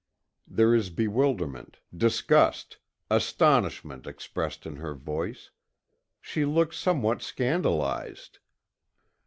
There is bewilderment, disgust, astonishment expressed in her voice. She looks somewhat scandalized.